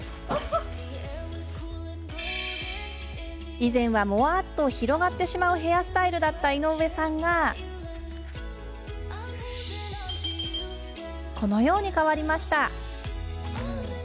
以前は、もわっと広がってしまうヘアスタイルだった井上さんがこのように変わりました。